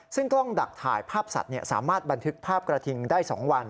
ซึ่งกล้องดักถ่ายภาพสัตว์สามารถบันทึกภาพกระทิงได้๒วัน